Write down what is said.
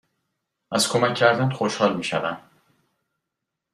از کمک کردن خوشحال می شوم.